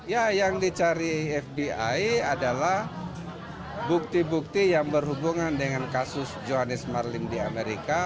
ya yang dicari fbi adalah bukti bukti yang berhubungan dengan kasus johannes marlim di amerika